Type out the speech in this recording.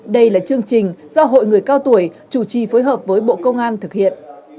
đây là chương trình do hội người cao tuổi chủ trì phối hợp với bộ công an thực hiện